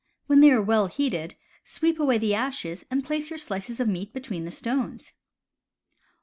When they are well heated, sweep away the ashes, and place your slices of meat be tween the stones.